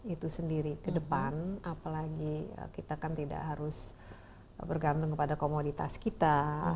itu sendiri ke depan apalagi kita kan tidak harus bergantung kepada komoditas kita